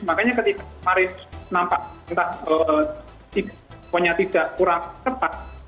makanya ketika kemarin nampak entah tidak kurang cepat makanya banyak pabrik yang ditukung dari pas ini